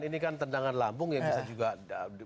ini kan tendangan lambung yang bisa juga